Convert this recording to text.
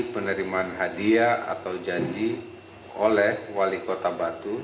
penerimaan hadiah atau janji oleh wali kota batu